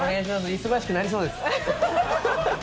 忙しくなりそうです。